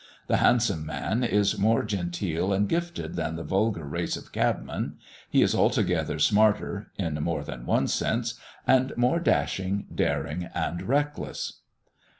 The "Hansom" man is more genteel and gifted than the vulgar race of cabmen; he is altogether smarter (in more than one sense) and more dashing, daring, and reckless.